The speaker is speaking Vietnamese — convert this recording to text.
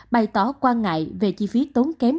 bày tỏ quan ngại về chi phí tốn kém